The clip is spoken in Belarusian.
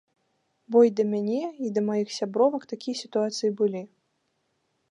Бо і да мяне, і да маіх сябровак такія сітуацыі былі.